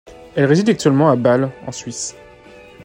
Elle réside actuellement à Bâle, en Suisse.